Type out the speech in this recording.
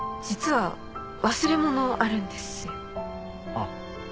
あっ。